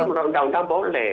menurut undang undang boleh